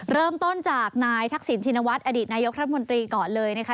เริ่มต้นจากนายทักษิณชินวัฒน์อดีตนายกรัฐมนตรีก่อนเลยนะคะ